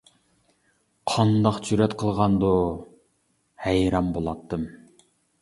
‹ ‹قانداق جۈرئەت قىلغاندۇ؟ ›› ھەيران بولاتتىم.